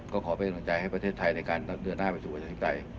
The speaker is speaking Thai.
ก็ขอเป็นกำลังใจให้ประเทศไทยในการเดินหน้าไปสู่ประชาธิปไตย